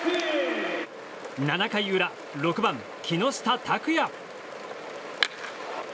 ７回裏６番、木下拓哉。